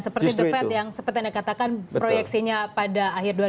seperti deped yang seperti anda katakan proyeksinya pada akhir dua ribu lima belas